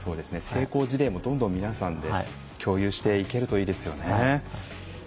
成功事例もどんどん皆さんで共有していけるといいですよね。